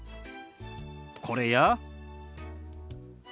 これや。